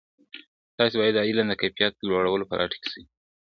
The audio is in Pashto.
تاسې باید د علم د کیفیت لوړولو په لټه کې سئ.